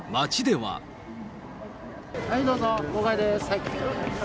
はい、どうぞ、号外です。